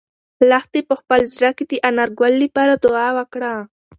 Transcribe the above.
لښتې په خپل زړه کې د انارګل لپاره دعا وکړه.